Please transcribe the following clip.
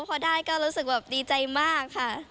พอได้ก็รู้สึกแบบดีใจมากค่ะ